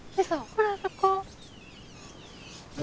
ほらそこ。